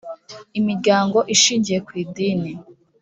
imiryango ishingiye ku idini.